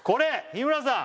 日村さん！